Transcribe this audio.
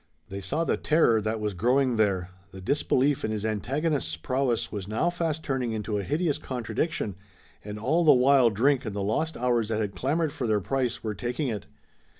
They saw the terror that was growing there. The disbelief in his antagonist's prowess was now fast turning into a hideous contradiction, and all the while drink and the lost hours that had clamored for their price were taking it.